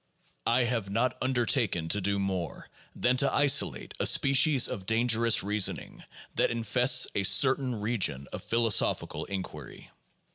I have not undertaken to do more than to isolate a species of dangerous reasoning that infests a certain region of philosophical inquiry.